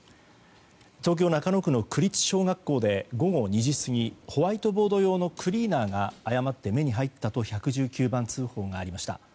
東京・中野区の区立小学校で午後２時過ぎホワイトボード用のクリーナーが誤って目に入ったと１１９番通報がありました。